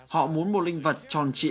họ muốn một linh vật tròn trị